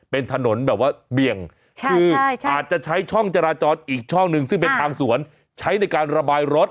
เป็นถนนแบบว่าเบี่ยงคืออาจจะใช้ช่องจราจรอีกช่องหนึ่งซึ่งเป็นทางสวนใช้ในการระบายรถ